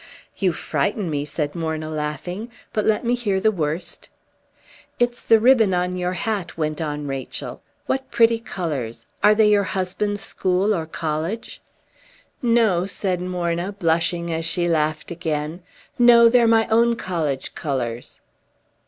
"You frighten me," said Morna, laughing. "But let me hear the worst." "It's the ribbon on your hat," went on Rachel. "What pretty colors! Are they your husband's school or college?" "No," said Morna, blushing as she laughed again. "No, they're my own college colors."